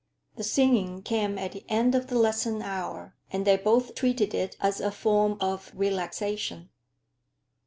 The singing came at the end of the lesson hour, and they both treated it as a form of relaxation.